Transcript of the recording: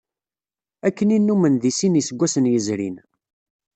Akken i nnumen deg sin n yiseggasen yezrin.